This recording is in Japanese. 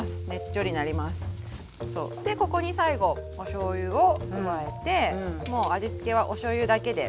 でここに最後おしょうゆを加えてもう味付けはおしょうゆだけで。